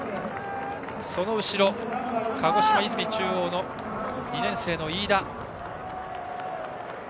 その後ろ、鹿児島・出水中央の２年生の飯田。